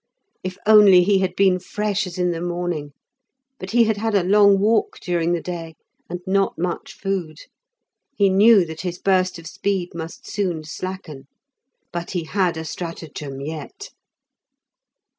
If only he had been fresh as in the morning! But he had had a long walk during the day and not much food. He knew that his burst of speed must soon slacken, but he had a stratagem yet.